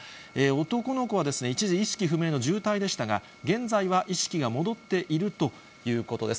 男の子は一時、意識不明の重体でしたが、現在は意識が戻っているということです。